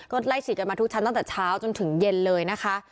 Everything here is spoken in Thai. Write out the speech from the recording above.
ก็ไล่ฉีดกันมาทุกชั้นตั้งแต่เช้าจนถึงเย็นเลยนะคะ